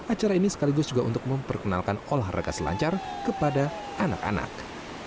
acara ini sekaligus juga untuk memperkenalkan olahraga selancar kepada anak anak